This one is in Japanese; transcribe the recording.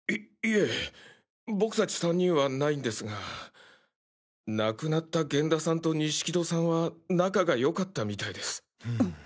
いいえ僕達３人はないんですが亡くなった源田さんと錦戸さんは仲が良かったみたいです。